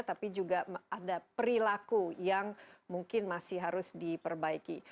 tapi juga ada perilaku yang mungkin masih harus diperbaiki